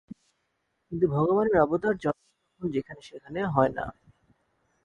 কিন্তু ভগবানের অবতার যখন তখন যেখানে সেখানে হয় না।